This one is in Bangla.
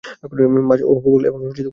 মাছ ও পঙ্গপাল এবং কলিজা ও প্লীহা।